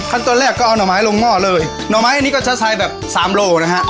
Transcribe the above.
ตอนแรกก็เอาห่อไม้ลงหม้อเลยหน่อไม้อันนี้ก็จะใช้แบบสามโลนะฮะ